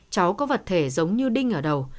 cháu có vật thể giống như đinh ở đầu